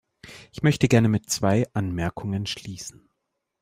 Ich möchte gerne mit zwei Anmerkungen schließen.